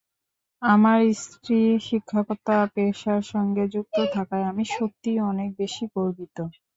আমার স্ত্রী শিক্ষকতা পেশার সঙ্গে যুক্ত থাকায় আমি সত্যিই অনেক বেশি গর্বিত।